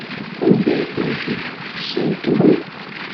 Anda ay tent-id-tesrekmem?